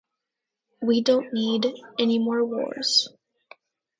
We don’t need any more wars.